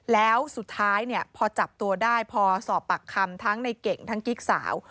แล้วสุดท้ายเนี่ยพอจับตัวได้พอสอบปากคำทั้งในเก่งทั้งกิ๊กสาว